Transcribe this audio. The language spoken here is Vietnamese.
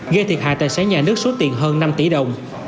gây thiệt hại tài sản nhà nước số tiền hơn năm tỷ đồng